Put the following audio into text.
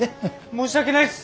申し訳ないっす。